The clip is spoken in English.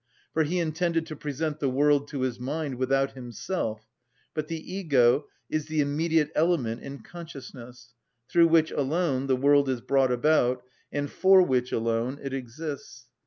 For he intended to present the world to his mind without himself; but the ego is the immediate element in consciousness, through which alone the world is brought about, and for which alone it exists.